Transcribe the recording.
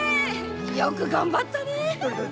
よく頑張ったねえ！